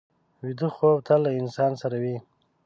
ویده خوب تل له انسان سره وي